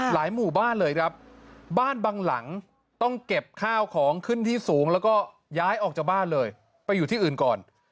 หมู่บ้านเลยครับบ้านบางหลังต้องเก็บข้าวของขึ้นที่สูงแล้วก็ย้ายออกจากบ้านเลยไปอยู่ที่อื่นก่อน